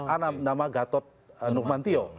ada nama gatot nurmantio